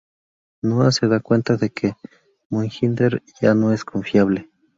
Noah se da cuenta de que Mohinder ya no es confiable.